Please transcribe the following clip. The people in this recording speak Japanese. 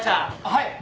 はい。